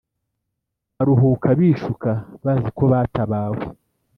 Baruhuka bishuka bazi ko batabawe